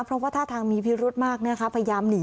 เพราะว่าท่าทางมีพิรุธมากนะคะพยายามหนี